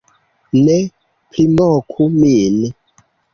Ne primoku min